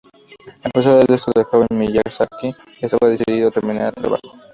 A pesar de esto, el joven Miyazaki estaba decidido a terminar el trabajo.